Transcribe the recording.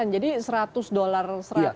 jadi seratus dolar satu ratus empat puluh